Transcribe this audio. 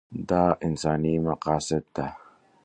دا انساني مقاصد ده.